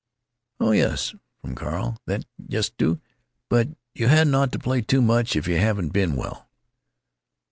"Oh yes," from Carl, "that—yes, do——But you hadn't ought to play too much if you haven't been well."